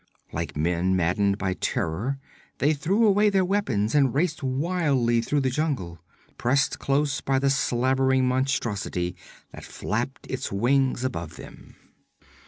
Like men maddened by terror, they threw away their weapons and raced wildly through the jungle, pressed close by the slavering monstrosity that flapped its wings above them.